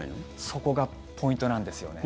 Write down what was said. そこがポイントなんですよね。